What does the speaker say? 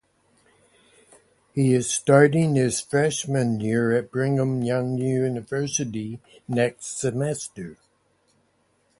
He is starting his freshman year at Bringham Young University next semester.